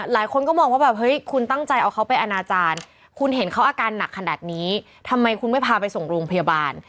หลายคนก็มองว่าแบบเฮ้ยคุณตั้งใจเอาเขาไปอนาจารย์คุณเห็นเขาอาการหนักขนาดนี้ทำไมคุณไม่พาไปส่งโรงพยาบาล